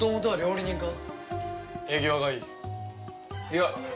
いや。